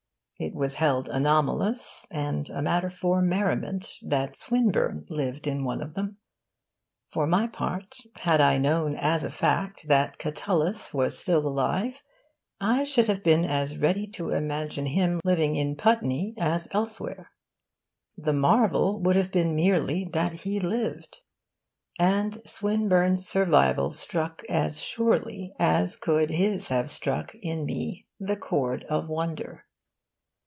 It was held anomalous, and a matter for merriment, that Swinburne lived in one of them. For my part, had I known as a fact that Catullus was still alive, I should have been as ready to imagine him living in Putney as elsewhere. The marvel would have been merely that he lived. And Swinburne's survival struck as surely as could his have struck in me the chord of wonder.